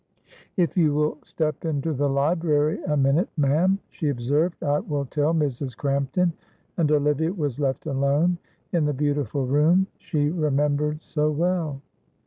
"If you will step into the library a minute, ma'am," she observed, "I will tell Mrs. Crampton," and Olivia was left alone in the beautiful room she remembered so well.